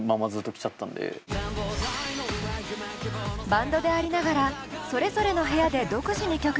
バンドでありながらそれぞれの部屋で独自に曲作り。